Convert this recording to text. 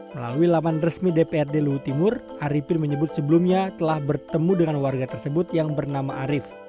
melalui laman resmi dprd luhut timur arifin menyebut sebelumnya telah bertemu dengan warga tersebut yang bernama arief